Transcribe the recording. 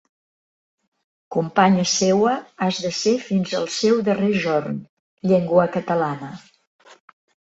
Companya seua has de ser fins al seu darrer jorn, llengua catalana.